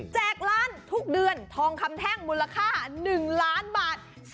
ล้านทุกเดือนทองคำแท่งมูลค่า๑ล้านบาท